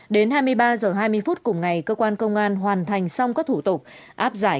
đến hai mươi ba h hai mươi phút cùng ngày cơ quan công an hoàn thành xong các thủ tục áp giải